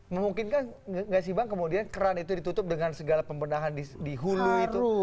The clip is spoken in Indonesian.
memungkinkan nggak sih bang kemudian keran itu ditutup dengan segala pembenahan di hulu itu